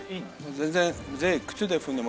全然。